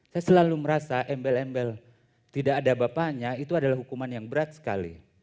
saya selalu merasa embel embel tidak ada bapaknya itu adalah hukuman yang berat sekali